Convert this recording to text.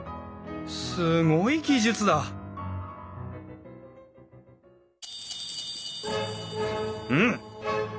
すごい技術だうん！？